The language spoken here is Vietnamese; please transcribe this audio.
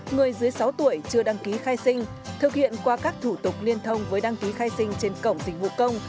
người dưới sáu tuổi chưa đăng ký khai sinh thực hiện qua các thủ tục liên thông với đăng ký khai sinh trên cổng dịch vụ công